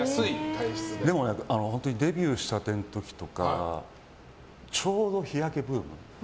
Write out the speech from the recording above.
でも、デビューしたての時とかちょうど日焼けブーム。